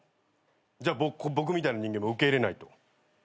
じゃあ僕みたいな人間も受け入れないと。